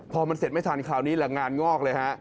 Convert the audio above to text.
พอมันเสร็จไม่ทันคราวนี้แหละงานงอกเลยฮะ